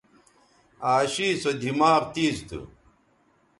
عاشی سو دماغ تیز تھو